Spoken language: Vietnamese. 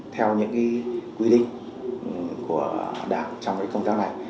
theo những quy định của đảng trong công tác này